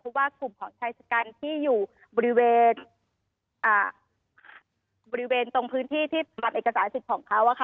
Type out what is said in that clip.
เพราะว่ากลุ่มของชายชะกันที่อยู่บริเวณบริเวณตรงพื้นที่ที่บัตรเอกสารสิทธิ์ของเขา